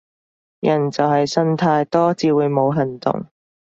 人就係呻太多至會冇行動